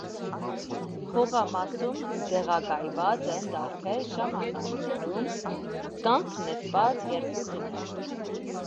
Հողամասում տեղակայված են տարբեր ժամանակներում կանգնեցված երկու տներ։